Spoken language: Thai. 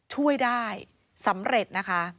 ช่วยได้สำเร็จนะคะ